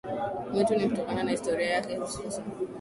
mwetu Ni kutokana na historia yake hususan